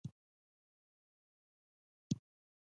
پکورې له صحنه سره خوندورې وي